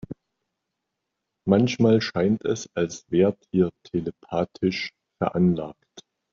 Manchmal scheint es, als wärt ihr telepathisch veranlagt.